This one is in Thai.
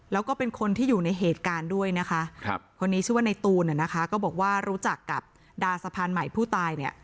แล้วก็เป็นคนที่อยู่ในเหตุการณ์ด้วยนะคะคนนี้ชื่อว่าในตูนนะคะก็บอกว่ารู้จักกับดาสะพานใหม่ผู้ตายเนี่ย